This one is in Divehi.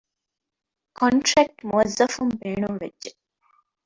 ކޮންޓްރެކްޓް މުއައްޒަފުން ބޭނުންވެއްޖެ